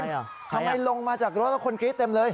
ทำไมลงมาจากรถแล้วคนกรี๊ดเต็มเลย